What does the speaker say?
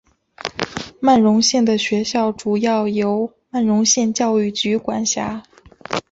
曼绒县的学校主要由曼绒县教育局管辖。